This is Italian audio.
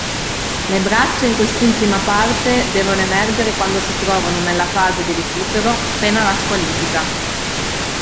Le braccia in quest'ultima parte devono emergere quando si trovano nella fase di recupero, pena la squalifica.